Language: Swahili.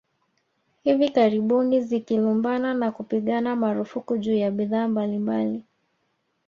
Hivi karibuni zikilumbana na kupigana marufuku juu ya bidhaa mbalimbali